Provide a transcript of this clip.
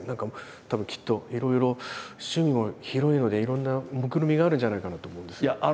たぶんきっといろいろ趣味も広いのでいろんなもくろみがあるんじゃないかなと思うんですけど。